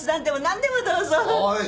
おい。